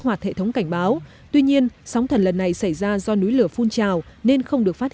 hoạt hệ thống cảnh báo tuy nhiên sóng thần lần này xảy ra do núi lửa phun trào nên không được phát